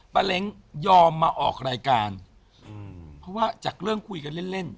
เล้งยอมมาออกรายการอืมเพราะว่าจากเรื่องคุยกันเล่นเล่น